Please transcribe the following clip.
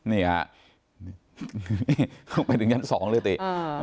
นี่อ่ะเข้าไปถึงยั้น๒เลยตี